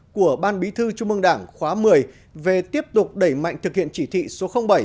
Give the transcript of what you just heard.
của ban bí thư trung mương đảng khóa một mươi về tiếp tục đẩy mạnh thực hiện chỉ thị số bảy